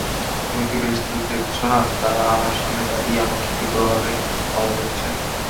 তুমি কি ফেরেশতাদের দেখছ না-তাঁরা আমার সামনে দাঁড়িয়ে আমাকে তীব্রভাবে বাধা দিচ্ছেন?